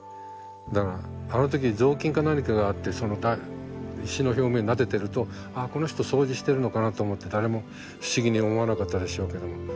だからあの時雑巾か何かがあってその石の表面なでてると「ああこの人掃除してるのかな」と思って誰も不思議に思わなかったでしょうけども。